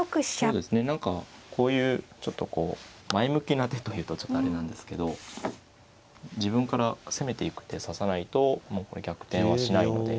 そうですね何かこういうちょっとこう前向きな手というとちょっとあれなんですけど自分から攻めていく手指さないともうこれ逆転はしないので。